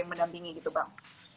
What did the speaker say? yang menampingi gitu bang